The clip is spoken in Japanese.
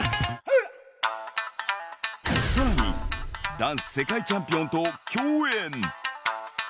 さらに、ダンス世界チャンピオンと共演。